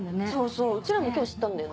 うちらも今日知ったんだよね。